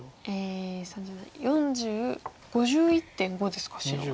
４０５１．５ですか白は。